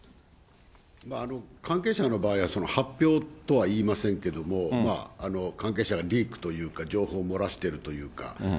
関係者の場合は、発表とはいいませんけれども、関係者がリークというか、情報を漏らしてるというか。